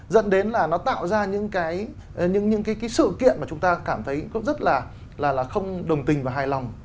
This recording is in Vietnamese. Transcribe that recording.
dẫn đến là nó tạo ra những cái sự kiện mà chúng ta cảm thấy cũng rất là không đồng tình và hài lòng